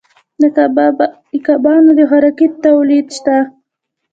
د کبانو د خوراکې تولید شته